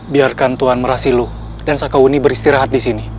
biarkan tuhan merasilu dan sakauni beristirahat di sini